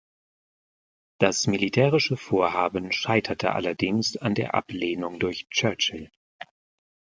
Das militärische Vorhaben scheiterte allerdings an der Ablehnung durch Churchill.